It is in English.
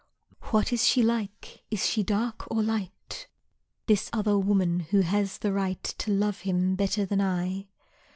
What is she like, is she dark, or light, This other woman who has the right To love him better than I?